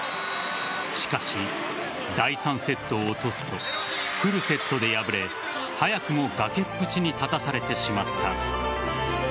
しかし、第３セットを落とすとフルセットで敗れ早くも崖っぷちに立たされてしまった。